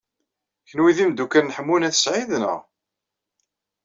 Kenwi d imeddukal n Ḥemmu n At Sɛid, naɣ?